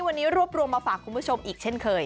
วันนี้รวบรวมมาฝากคุณผู้ชมอีกเช่นเคย